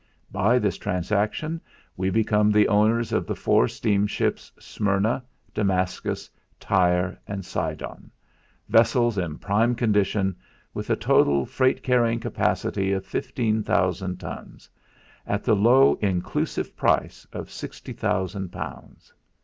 By this transaction we become the owners of the four steamships Smyrna, Damascus, Tyre, and Sidon, vessels in prime condition with a total freight carrying capacity of fifteen thousand tons, at the low inclusive price of sixty thousand pounds.